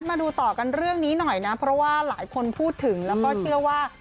มาดูต่อกันเรื่องนี้หน่อยนะเพราะว่าหลายคนพูดถึงแล้วก็เชื่อว่า